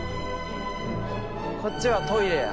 こっちはトイレや。